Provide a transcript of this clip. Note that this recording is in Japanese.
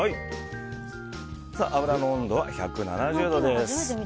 油の温度は１７０度です。